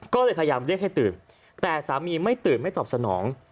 ก็เลยพยายามเรียกให้ตื่นแต่สามีไม่ตื่นไม่ตอบสนอง